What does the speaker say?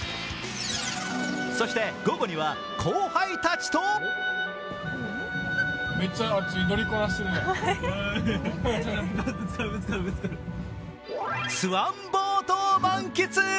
そして午後には後輩たちとスワンボートを満喫。